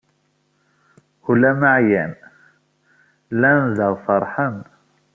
Ula ma ɛyan, llan daɣ feṛḥen.